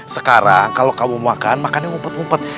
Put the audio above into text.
sekarang kalau kamu makan makannya ngumpet ngumpet